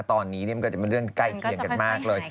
ตอนนี้มันก็จะเป็นเรื่องใกล้เคียงกันมากเลย